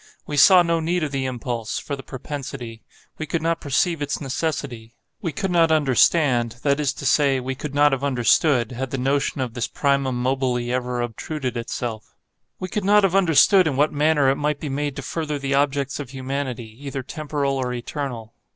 We saw no need of the impulse—for the propensity. We could not perceive its necessity. We could not understand, that is to say, we could not have understood, had the notion of this primum mobile ever obtruded itself;—we could not have understood in what manner it might be made to further the objects of humanity, either temporal or eternal.